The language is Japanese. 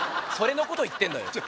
それのこと言ってんだよ